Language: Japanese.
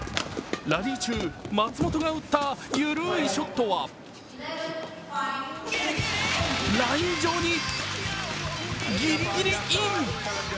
ラリー中、松本が打った緩いショットはライン上に、ギリギリイン！